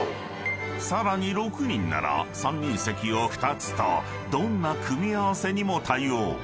［さらに６人なら３人席を２つとどんな組み合わせにも対応］